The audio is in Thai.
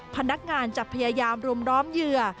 พนักงานจะพยายามรุมล้อมเหยื่อ